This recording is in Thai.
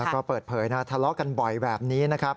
ก็เปิดเผยนะทะเลาะกันบ่อยแบบนี้นะครับ